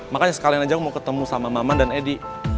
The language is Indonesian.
makanya sekalian aja mau ketemu sama maman dan edi